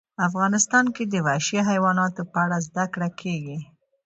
افغانستان کې د وحشي حیواناتو په اړه زده کړه کېږي.